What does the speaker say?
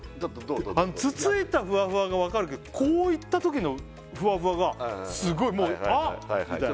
つついたフワフワが分かるけどこういったときのフワフワがすごいもう「あっ」みたいな